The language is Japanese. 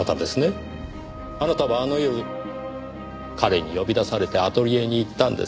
あなたはあの夜彼に呼び出されてアトリエに行ったんです。